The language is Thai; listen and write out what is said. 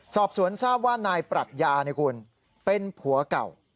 สอบสวนทราบว่านายปรัชญาเป็นผัวเก่า